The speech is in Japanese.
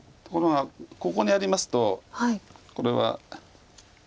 ところがここにありますとこれは。